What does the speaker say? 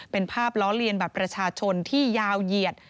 เป็นภาพล้อเลียนบัตรประชาชนที่ยาวเหยียด